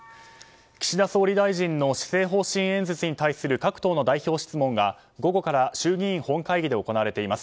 岸田総理の施政方針演説に対する各党の代表質問が午後から衆議院本会議で行われています。